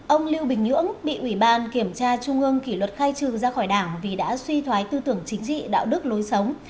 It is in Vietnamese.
ông lưu bình nhưỡng bị ủy ban kiểm tra trung ương kỷ luật khai trừ ra khỏi đảng vì đã suy thoái tư tưởng chính trị đạo đức lối sống